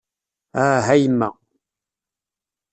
Ah, a yemma!